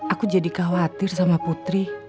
aku jadi khawatir sama putri